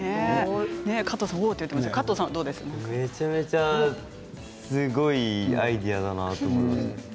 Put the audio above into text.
めちゃめちゃすごいアイデアだなと思いました。